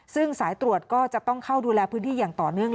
ซึ่งสายตรวจก็จะต้องเข้าดูแลพื้นที่อย่างต่อเนื่อง